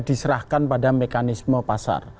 diserahkan pada mekanisme pasar